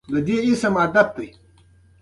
اوبزین معدنونه د افغانستان د طبیعت د ښکلا برخه ده.